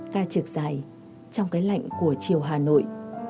ca trược dài trong cái lạnh của chiều hà nội